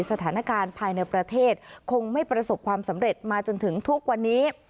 สถานการณ์ภายในประเทศคงไม่ประสบความสำเร็จมาจนถึงทุกวันนี้